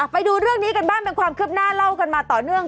ไปดูเรื่องนี้กันบ้างเป็นความคืบหน้าเล่ากันมาต่อเนื่อง